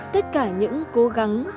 tất cả những cố gắng